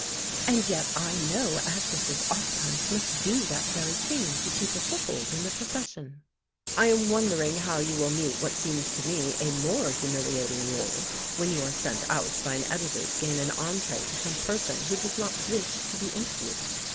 And yet I know actresses ofttimes must do that very thing, to keep a foothold in the profession." I am wondering how you will meet what seems to me a more humiliating rôle, when you are sent out by an editor to gain an entree to some person who does not wish to be interviewed.